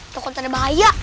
toko tentara bahaya